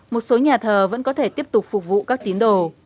một số nhà thờ vẫn có thể tiếp tục phục vụ các tín đồ